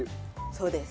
そうです。